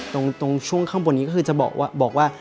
ตรงช่วงข้างบนนี้ก็คือจะบอกว่า